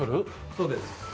そうです。